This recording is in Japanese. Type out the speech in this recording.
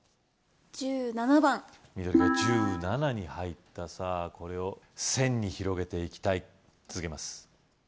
１７番緑が１７に入ったさぁこれを線に広げていきたい続けます